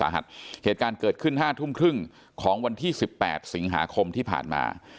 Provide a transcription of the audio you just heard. เหตุการณ์เกิดขึ้น๕๓๐วันที่๑๘สีงหาคม